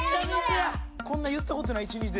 こんな言ったことない１日で。